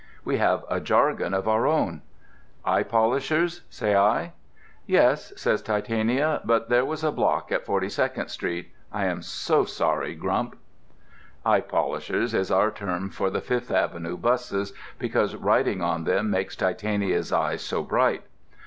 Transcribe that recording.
We have a jargon of our own. "Eye polishers?" say I. "Yes," says Titania, "but there was a block at 42nd Street. I'm so sorry, Grump." "Eye polishers" is our term for the Fifth Avenue busses, because riding on them makes Titania's eyes so bright.